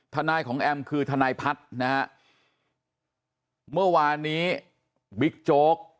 ทนายของแอมคือทนายพัฒน์นะฮะเมื่อวานนี้บิ๊กโจ๊ก